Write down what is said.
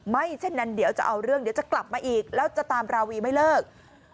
เช่นนั้นเดี๋ยวจะเอาเรื่องเดี๋ยวจะกลับมาอีกแล้วจะตามราวีไม่เลิก